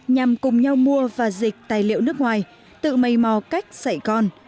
nhằm cùng nhau mua và dịch tài liệu nước ngoài tự mây mò cách dạy con